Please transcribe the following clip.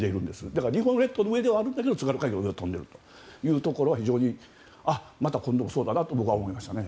だから日本列島の上ではあるけど津軽海峡の上を飛んでいるというのはまた今回もそうだなと僕は思いましたね。